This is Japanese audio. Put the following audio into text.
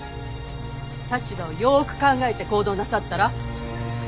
立場をよーく考えて行動なさったら？